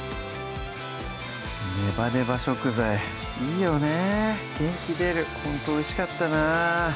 ネバネバ食材いいよね元気出るほんとおいしかったなぁ